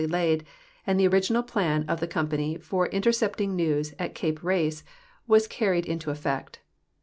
}^ laid, and the original plan of the company for intercepting neAA'S at cape Race Avas carried into effect.